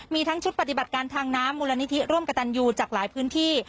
มีทั้งชุดปฏิบัติการทางน้ำมูลนิธิร่วมกับตันยูจากหลายพื้นที่